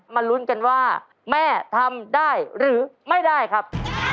ลุ้นกันว่าแม่ทำได้หรือไม่ได้ครับ